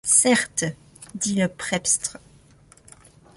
Certes, dit le prebstre.